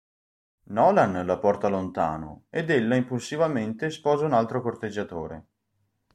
Nolan la porta lontano ed ella impulsivamente sposa un altro corteggiatore.